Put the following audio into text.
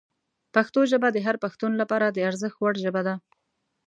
پښتو ژبه د هر پښتون لپاره د ارزښت وړ ژبه ده.